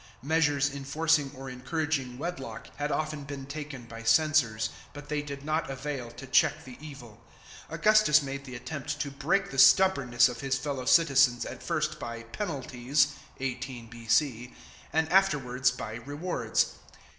Measures enforcing or encouraging wedlock had often been taken by censors, but they did not avail to check the evil. Augustus made the attempt to break the stubbornness of his fellow citizens at first by penalties (18 B.C.) and afterwards by rewards.